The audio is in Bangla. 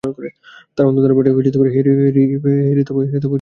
তব অন্তর্ধানপটে হেরি তব রূপ চিরন্তন।